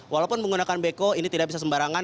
walaupun menggunakan beko ini tidak bisa sembarangan